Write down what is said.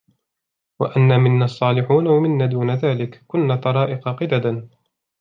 وَأَنَّا مِنَّا الصَّالِحُونَ وَمِنَّا دُونَ ذَلِكَ كُنَّا طَرَائِقَ قِدَدًا